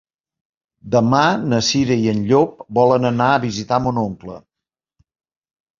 Demà na Cira i en Llop volen anar a visitar mon oncle.